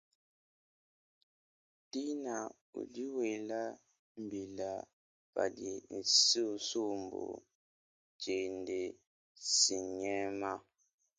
Tina udi wela mbila padi thsisumbu tshiende thsinyema.